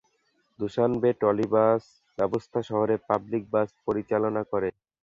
Dushanbe trolleybus ব্যবস্থা শহরে public bus পরিচালনা করে।